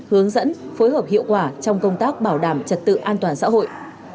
hướng dẫn phối hợp hiệu quả trong công tác bảo đảm trật tự an toàn xã hội